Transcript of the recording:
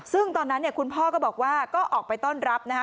ซึ่งตอนนั้นเนี่ยคุณพ่อก็บอกว่าก็ออกไปต้อนรับนะฮะ